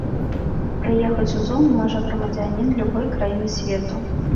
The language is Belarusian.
Прыехаць у зону можа грамадзянін любой краіны свету.